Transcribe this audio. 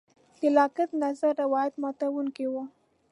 د لاک نظر روایت ماتوونکی و.